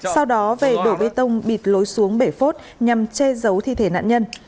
sau đó về đổ bê tông bịt lối xuống bể phốt nhằm che giấu thi thể nạn nhân